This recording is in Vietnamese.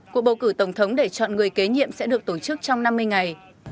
cuộc bầu cử tổng thống để chọn người kế nhiệm sẽ được tổ chức trong năm mươi ngày